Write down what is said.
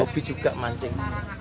hobi juga mancing